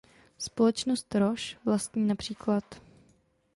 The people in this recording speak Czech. Společnost Roche vlastní například.